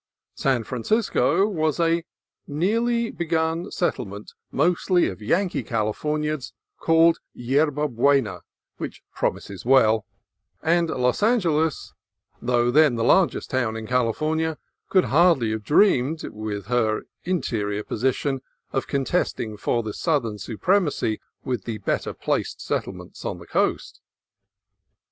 San Francisco was "a newly begun settlement, mostly of Yankee Californians, called Yerba Buena, which promises well"; and Los Angeles, though then the largest town in California, could hardly have dreamed, with her interior position, of contesting for the southern supremacy with the better placed settlements on the coast.